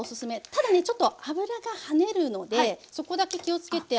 ただねちょっと油が跳ねるのでそこだけ気をつけて。